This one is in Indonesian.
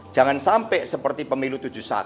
jangan sampai seperti pemilu tujuh puluh satu